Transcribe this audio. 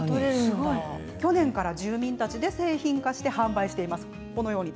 去年から住民たちで製品化して販売しています。